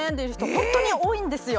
本当に多いんですよ。